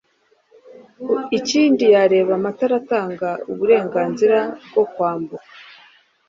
Ikindi yareba amatara atanga uburenganzira bwo kwambuka